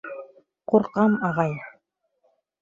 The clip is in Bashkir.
Ҡурҡам, ағай!